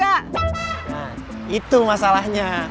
nah itu masalahnya